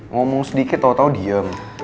ngomong sedikit tau tau diem